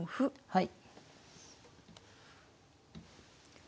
はい。